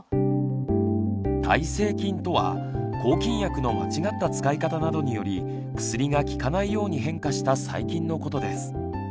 「耐性菌」とは抗菌薬の間違った使い方などにより薬が効かないように変化した細菌のことです。